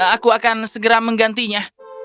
aku akan segera menggantinya